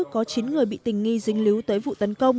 có chín người bị tình nghi dính líu tới vụ tấn công